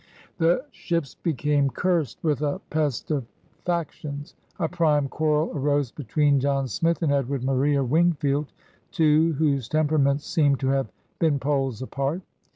The ships became cursed with a pest of factions. A prime quarrel arose between John Smith and Edward Maria Wingfield, two whose temperaments seem to have been poles apart.